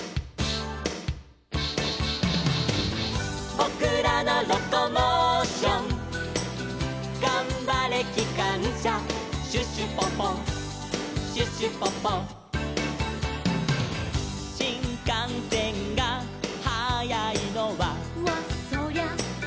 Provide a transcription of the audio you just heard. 「ぼくらのロコモーション」「がんばれきかんしゃ」「シュシュポポシュシュポポ」「しんかんせんがはやいのは」